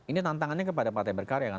ini tantangannya kepada partai berkarya kan